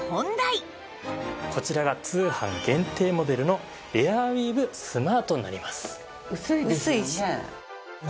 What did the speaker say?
こちらが通販限定モデルのエアウィーヴスマートになります。